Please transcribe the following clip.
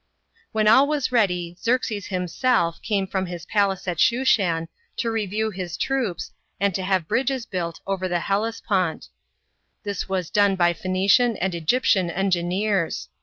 When all was ready Xerxes himself, came from his palace at Shushan, to review his troops, and to have bridges built over the Hellespont. This was done by Phoenician and Egyptian engineers.